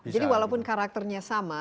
jadi walaupun karakternya sama